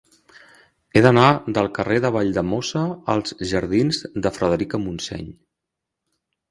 He d'anar del carrer de Valldemossa als jardins de Frederica Montseny.